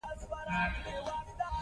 که ملخان راغلل، نو فصل به تباه شي.